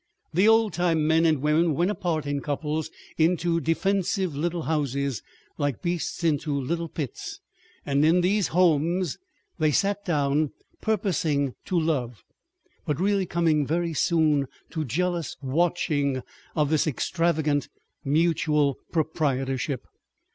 The old time men and women went apart in couples, into defensive little houses, like beasts into little pits, and in these "homes" they sat down purposing to love, but really coming very soon to jealous watching of this extravagant mutual proprietorship.